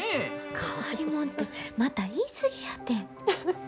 変わりもんてまた言い過ぎやて。